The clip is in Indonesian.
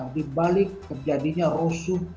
di balik terjadinya rusuh